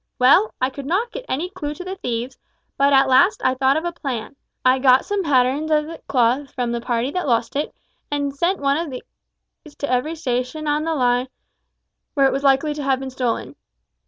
Well, I could not get any clue to the thieves, but at last I thought of a plan. I got some patterns of the cloth from the party that lost it, and sent one of these to every station on the line where it was likely to have been stolen.